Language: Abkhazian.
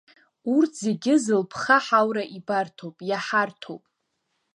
Урҭ зегьы зылԥха ҳаура ибарҭоуп, иаҳарҭоуп.